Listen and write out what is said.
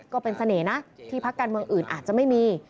ก็เป็นเสน่ห์นะที่พักการเมืองอื่นอาจจะไม่มี